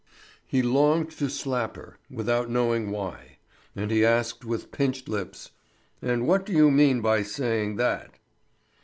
He longed to slap her, without knowing why; and he asked with pinched lips: "And what do you mean by saying that?"